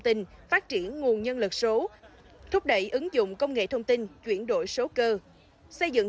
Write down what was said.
tin phát triển nguồn nhân lực số thúc đẩy ứng dụng công nghệ thông tin chuyển đổi số cơ xây dựng